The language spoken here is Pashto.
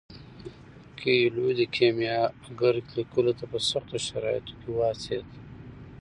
کویلیو د کیمیاګر لیکلو ته په سختو شرایطو کې وهڅید.